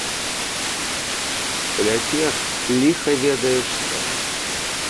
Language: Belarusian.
Пляцеш ліха ведае што.